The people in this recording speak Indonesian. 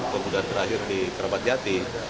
kemudian terakhir di kerabat jati